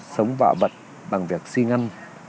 sống bạo bật bằng việc xin ăn